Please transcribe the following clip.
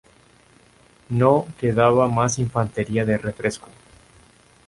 No quedaba más infantería de refresco.